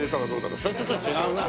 それはちょっと違うな。